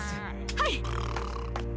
はい！